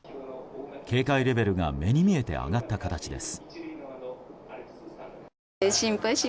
警戒レベルが目に見えて上がった形です。